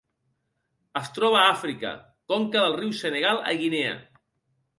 Es troba a Àfrica: conca del riu Senegal a Guinea.